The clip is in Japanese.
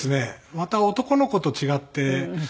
また男の子と違って。